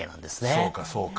そうかそうか。